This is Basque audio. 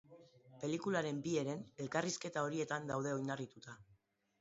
Pelikularen bi heren elkarrizketa horietan daude oinarrituta.